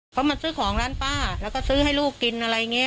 เขามาซื้อของร้านป้าแล้วก็ซื้อให้ลูกกินอะไรอย่างนี้